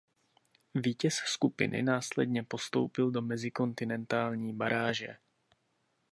Vítěz skupiny následně postoupil do mezikontinentální baráže.